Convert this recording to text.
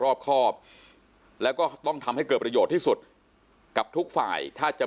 รอบครอบแล้วก็ต้องทำให้เกิดประโยชน์ที่สุดกับทุกฝ่ายถ้าจะ